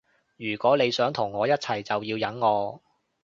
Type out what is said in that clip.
如果你想同我一齊就要忍我